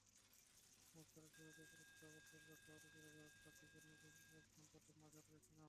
অনুষ্ঠানের শুরুতে পুরস্কার প্রবর্তনের প্রেক্ষাপট তুলে ধরেন পাক্ষিক অন্যদিন-এর সম্পাদক মাজহারুল ইসলাম।